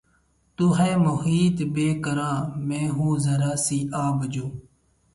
تو ہے محیط بیکراں میں ہوں ذرا سی آب جو